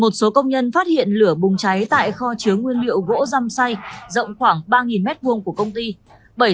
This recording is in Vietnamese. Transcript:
một số công nhân phát hiện lửa bùng cháy tại kho chứa nguyên liệu gỗ răm say rộng khoảng ba m hai của công ty